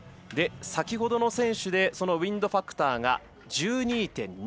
先ほどの選手でそのウインドファクターが１２．２。